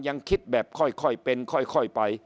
ยังคิดแบบค่อยเป็นค่อยไป